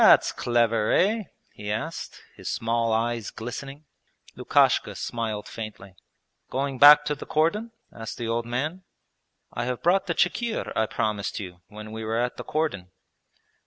'That's clever, eh?' he asked, his small eyes glistening. Lukashka smiled faintly. 'Going back to the cordon?' asked the old man. 'I have brought the chikhir I promised you when we were at the cordon.'